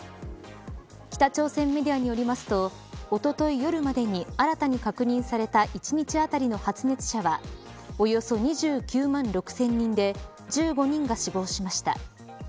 北朝鮮メディアによりますとおととい夜までに新たに確認された１日当たりの発熱者はおよそ２９万６０００人で１５人が死亡しました。